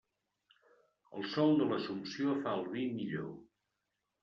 El sol de l'Assumpció fa el vi millor.